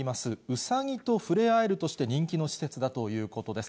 ウサギと触れ合えるとして人気の施設だということです。